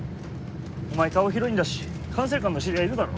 お前顔広いんだし管制官の知り合いいるだろ？